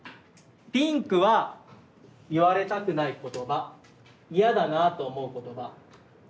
ピンクは言われたくない言葉嫌だなあと思う言葉。